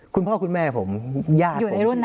คุณพ่อคุณแม่ผมญาติผมอยู่ในรุ่นนั้น